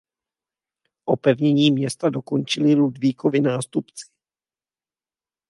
Opevnění města dokončili Ludvíkovi nástupci.